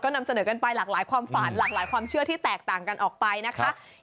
นำเสนอกันไปหลากหลายความฝันหลากหลายความเชื่อที่แตกต่างกันออกไปนะคะ